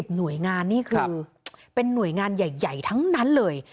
หน่วยงานนี่คือเป็นหน่วยงานใหญ่ทั้งนั้นเลย